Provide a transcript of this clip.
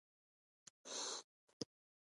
د پښتنو په کلتور کې د حیا ډیر خیال ساتل کیږي.